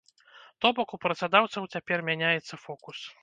То бок, у працадаўцаў цяпер мяняецца фокус.